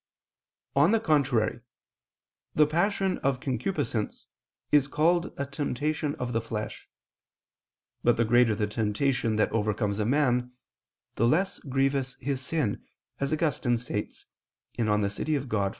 On the contrary, The passion of concupiscence is called a temptation of the flesh. But the greater the temptation that overcomes a man, the less grievous his sin, as Augustine states (De Civ. Dei iv, 12).